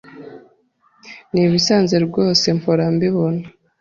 Nibisanzwe rwose mpora mbibona.